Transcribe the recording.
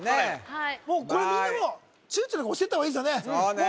はいもうこれみんなもう躊躇なく押してった方がいいですよね